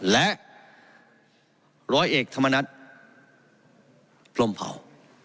และร้อยเอกธรรมนัฐพรมเผา